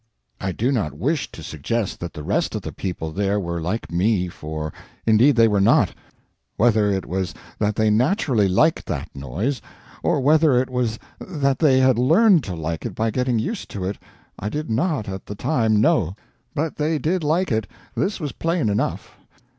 I do not wish to suggest that the rest of the people there were like me, for, indeed, they were not. Whether it was that they naturally liked that noise, or whether it was that they had learned to like it by getting used to it, I did not at the time know; but they did like it this was plain enough.